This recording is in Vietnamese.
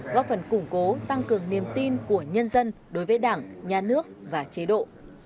góp phần củng cố tăng cường niềm tin của nhân dân đối với đảng nhà nước và chế độ